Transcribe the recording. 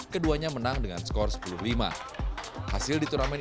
keduanya menang dengan skor enam